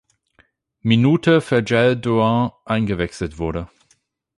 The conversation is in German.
Minute für Jelle Duin eingewechselt wurde.